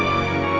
aku mau ke rumah